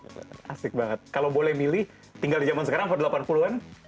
asik banget kalau boleh milih tinggal di zaman sekarang empat delapan puluh an